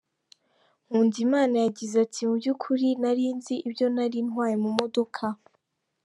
Nkundimana yagize ati :"Mu by’ukuri, nari nzi ibyo nari ntwaye mu modoka.